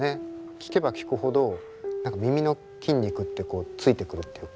聴けば聴くほど耳の筋肉ってついてくるっていうか。